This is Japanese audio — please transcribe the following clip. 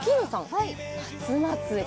はい「夏祭り」